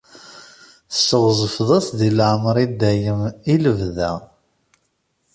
Tesɣezfeḍ-as di leɛmer i dayem, i lebda.